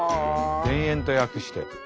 田園と訳してる。